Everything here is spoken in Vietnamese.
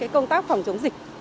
công tác phòng